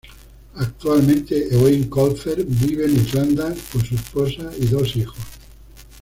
Actualmente, Eoin Colfer vive en Irlanda con su esposa y dos hijos.